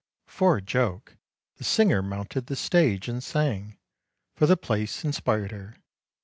For a joke the singer mounted the stage and sang, for the place inspired her.